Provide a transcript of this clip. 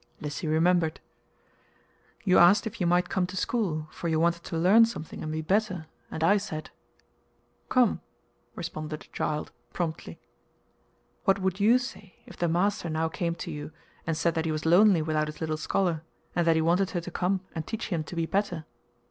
Lissy remembered. "You asked me if you might come to school, for you wanted to learn something and be better, and I said " "Come," responded the child, promptly. "What would YOU say if the master now came to you and said that he was lonely without his little scholar, and that he wanted her to come and teach him to be better?"